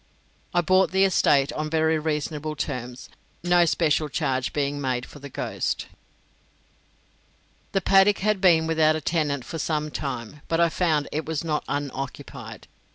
I bought the estate on very reasonable terms, no special charge being made for the ghost. The paddock had been without a tenant for some time, but I found it was not unoccupied.